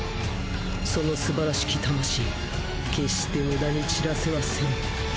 そのすばらしき魂決して無駄に散らせはせぬ。